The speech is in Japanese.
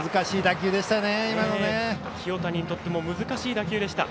清谷にとっても難しい打球でした。